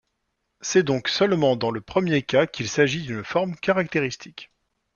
C'est donc seulement dans le premier cas qu'il s'agit d'une forme caractéristique.